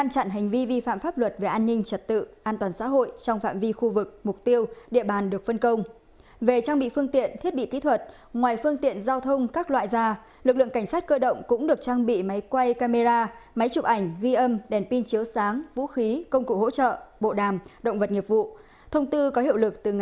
các bạn hãy đăng ký kênh để ủng hộ kênh của chúng mình nhé